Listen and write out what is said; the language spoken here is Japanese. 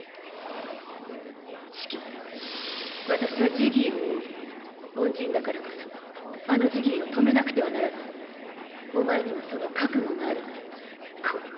シキ私はジギーを追う恩人だからこそあのジギーを止めなくお前にもその覚悟があるなら来い！